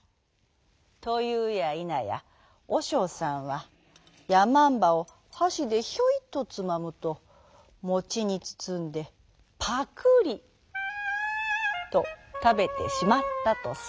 というやいなやおしょうさんはやまんばをはしでヒョイとつまむともちにつつんでパクリとたべてしまったとさ。